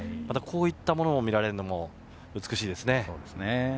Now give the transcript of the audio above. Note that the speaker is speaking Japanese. こういったものも見られるのも美しいですね。